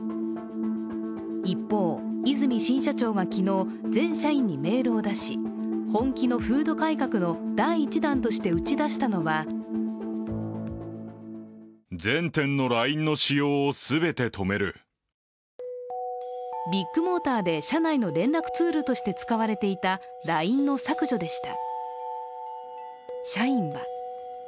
一方、和泉新社長が昨日、全社員にメールを出し本気の風土改革の第一弾として打ち出したのはビッグモーターで社内の連絡ツールとして使われていたＬＩＮＥの削除でした。